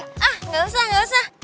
ah gak usah gak usah